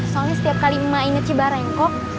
soalnya setiap kali emak inget cibarengkok